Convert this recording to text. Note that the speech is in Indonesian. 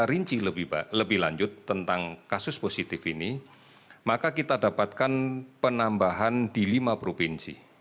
rinci lebih lanjut tentang kasus positif ini maka kita dapatkan penambahan di lima provinsi